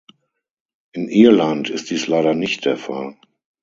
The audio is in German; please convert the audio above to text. In Irland ist dies leider nicht der Fall.